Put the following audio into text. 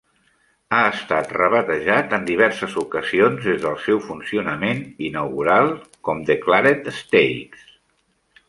Ha estat rebatejat en diverses ocasions des del seu funcionament inaugural com The Claret Stakes.